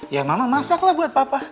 ya mama masaklah buat papa